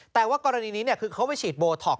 แต่ว่ากรณีนี้คือเขาไปฉีดโบท็อก